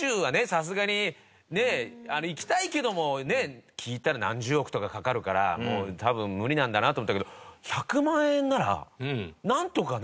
さすがにね行きたいけども聞いたら何十億とかかかるからもう多分無理なんだなと思ったけど１００万円ならなんとかね。